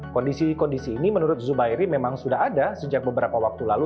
kondisi kondisi ini menurut zubairi memang sudah ada sejak beberapa waktu lalu